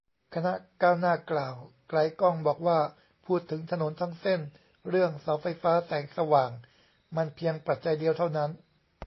คณะก้าวหน้า กล่าว ไกลก้อง บอกว่า พูดถึงถนนทั้งเส้น เรื่องเสาไฟฟ้าแสงสว่างมันเพียงปัจจัยเดียวเท่านั้น